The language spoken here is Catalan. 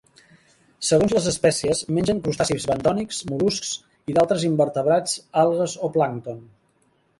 Segons les espècies, mengen crustacis bentònics, mol·luscs i d'altres invertebrats, algues o plàncton.